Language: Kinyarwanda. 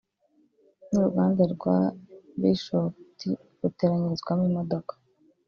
n’uruganda rwa Bishoftu ruteranyirizwamo imodoka